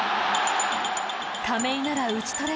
亀井なら打ち取れ